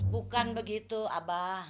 bukan begitu abah